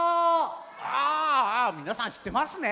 ああみなさんしってますね。